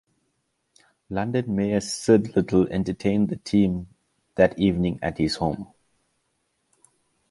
London Mayor Sid Little entertained the team that evening at his home.